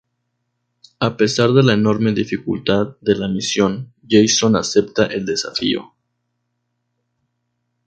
A pesar de la enorme dificultad de la misión, Jasón acepta el desafío.